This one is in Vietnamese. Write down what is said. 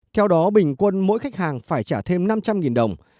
theo đó bình quân mỗi khách hàng phải trả thêm năm trăm linh đồng